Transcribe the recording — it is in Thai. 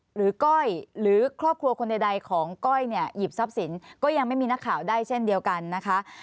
ก้อยหรือครอบครัวคนใดของก้อยเนี่ยหยิบทรัพย์สินก็ยังไม่มีนักข่าวได้เช่นเดียวกันนะคะ